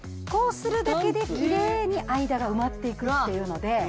こうするだけできれいに間が埋まっていくっていうので。